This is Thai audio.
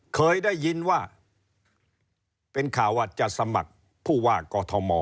เคยได้ยินว่าเป็นข่าวว่าจะสมัครผู้ว่ากอทม